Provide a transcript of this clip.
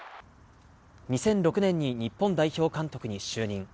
２００６年に日本代表監督に就任。